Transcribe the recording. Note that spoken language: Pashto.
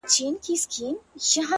څلوريځه؛